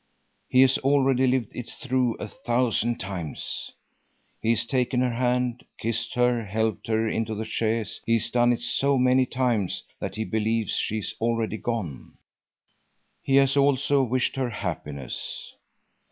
He has already lived it through a thousand times. He has taken her hand, kissed her, helped her into the chaise. He has done it so many times that he believes she is already gone. He has also wished her happiness.